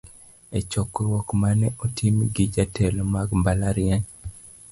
E chokruok manene otim gi jotelo mag mbalariany